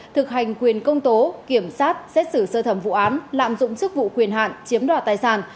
thực hành quyền công tố kiểm soát xét xử sơ thẩm vụ án lạm dụng chức vụ quyền hạn chiếm đoạt tài sản